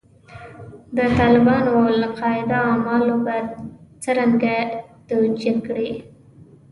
د طالبانو او القاعده اعمال به څرنګه توجیه کړې.